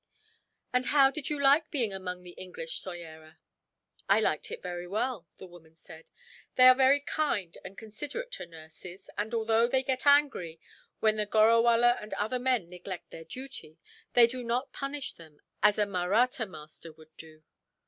"And how did you like being among the English, Soyera?" "I liked it very well," the woman said. "They are very kind and considerate to nurses and, although they get angry when the gorrawallah or other men neglect their duty, they do not punish them as a Mahratta master would do.